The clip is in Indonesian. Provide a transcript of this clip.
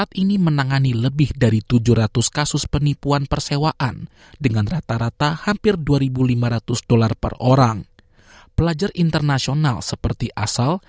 untuk memastikan mereka melakukan resiko yang mungkin untuk pengguna dan publik yang tersisa